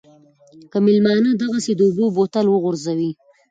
که مېلمانه دغسې د اوبو بوتل وغورځوي.